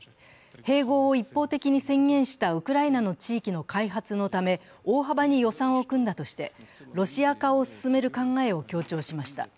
併合を一方的に宣言したウクライナの地域の開発のため大幅に予算を組んだとして、ロシア化を進める考えを強調しました。